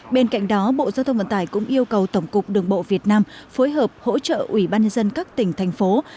bên cạnh đó bộ giao thông vận tải cũng yêu cầu tổng cục đường bộ việt nam phối hợp hỗ trợ ủy ban nhân dân các tỉnh thành phố